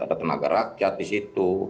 ada tenaga rakyat di situ